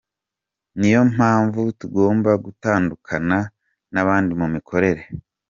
Niyo mpamvu tugomba gutandukana n’abandi mu mikorere.